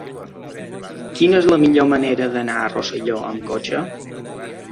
Quina és la millor manera d'anar a Rosselló amb cotxe?